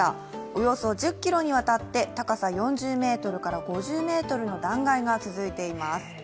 およそ１０ｋｍにわたって高さ４０ｍから５０ｍの断崖が続いています。